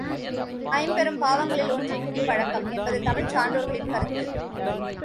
ஐம்பெரும் பாவங்களில் ஒன்று குடிப் பழக்கம் என்பது தமிழ்ச் சான்றோர்களின் கருத்து.